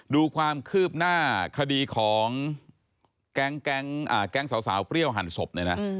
ดูความคืบหน้าคดีของแก๊งสาวเปรี้ยวหั่นศพเนี่ยนะ